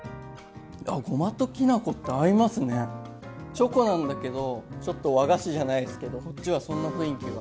チョコなんだけどちょっと和菓子じゃないですけどこっちはそんな雰囲気が。